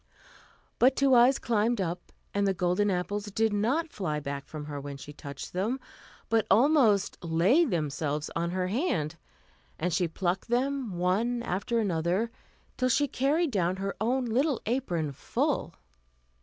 But Two Eyes climbed up, and the golden apples did not fly back from her when she touched them, but almost laid themselves on her hand, and she plucked them one after another, till she carried down her own little apron full.